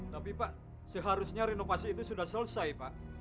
tapi pak seharusnya renovasi itu sudah selesai pak